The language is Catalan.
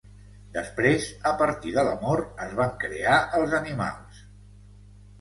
Després, a partir de l'amor, es van crear els animals.